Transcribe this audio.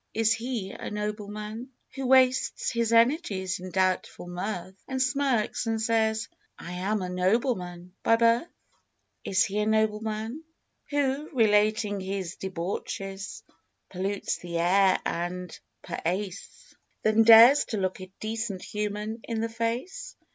Is he a nobleman Who wastes his energies in doubtful mirth And smirks and says, I am a nobleman "by birth''? Is he a nobleman Who relating his debauches Pollutes the air and p'ace Then dares to look a decent human in the face?